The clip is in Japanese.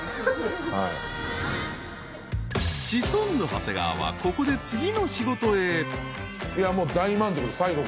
［シソンヌ長谷川はここで次の仕事へ］